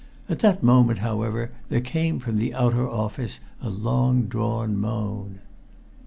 At that moment, however, there came from the outer office a long drawn moan.